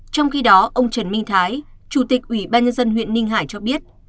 trong khi đó ông trần minh thái chủ tịch ủy ban nhân dân huyện ninh hải cho biết